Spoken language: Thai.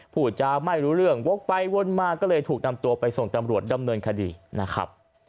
พูดจาไม่รู้เรื่องวกไปวนมาก็เลยถูกนำตัวไปส่งตำรวจดำเนินคดีนะครับ